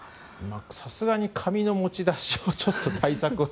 さすがに紙の持ち出しはちょっと対策が。